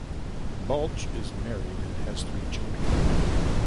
Balch is married and has three children.